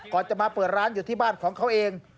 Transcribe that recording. ก่อนจะมาเปิดร้านอยู่ที่บ้านของเขาเอง